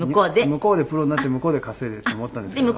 向こうでプロになって向こうで稼いでって思ったんですけど。